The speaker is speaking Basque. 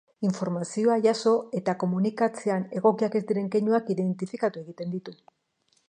Informazioa jaso eta komunikatzean egokiak ez diren keinuak identifikatu egiten ditu.